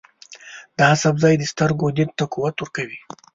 دا سبزی د سترګو دید ته قوت ورکوي.